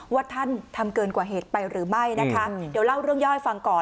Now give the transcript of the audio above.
ว่าท่านทำเกินกว่าเหตุไปหรือไม่นะคะเดี๋ยวเล่าเรื่องย่อยฟังก่อน